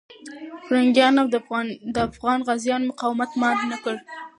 پرنګیان د افغان غازیانو مقاومت مات نه کړ.